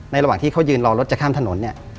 ระหว่างที่เขายืนรอรถจะข้ามถนนเนี่ย